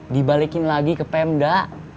dibalikin lagi ke pemda